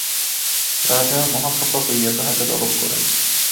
রাজা মহা খাপা হইয়া তাহাকে তলব করেন।